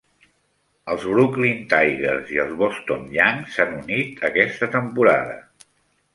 Els Brooklyn Tigers i els Boston Yanks s'han unit aquesta temporada.